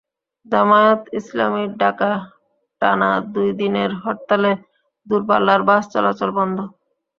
জামায়াতে ইসলামীর ডাকা টানা দুই দিনের হরতালে দূরপাল্লার বাস চলাচল বন্ধ।